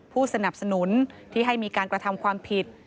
ผู้สนับสนุนที่ให้มีการกระทำความผิด